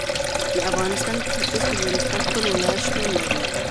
د افغانستان په ختیځ کې د نورستان ښکلی ولایت شتون لري.